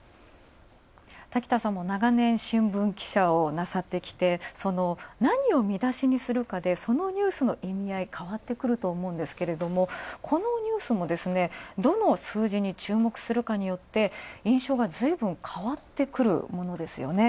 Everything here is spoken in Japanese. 滝田さんも長年新聞記者をなさってきて、その何を見出しにするかで、そのニュースの意味合い変わってくると思うんですがこのニュースもどの数字に注目するかによって印象がずいぶん変ってくるものですよね。